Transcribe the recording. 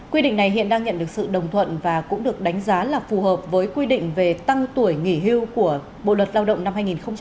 quy định này hiện đang nhận được sự đồng thuận và cũng được đánh giá là phù hợp với quy định về tăng tuổi nghỉ hưu của bộ luật lao động năm hai nghìn một mươi năm